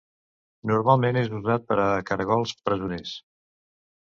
Normalment és usat per a caragols presoners.